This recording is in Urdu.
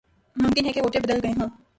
ممکن ہے کہ ووٹر بدل گئے ہوں۔